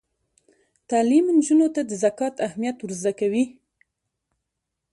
تعلیم نجونو ته د زکات اهمیت ور زده کوي.